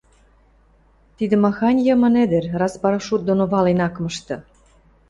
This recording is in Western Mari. Тидӹ махань Йымын ӹдӹр, раз парашют доно вален ак мышты!..